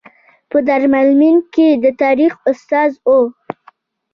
په دارالمعلمین کې د تاریخ استاد و.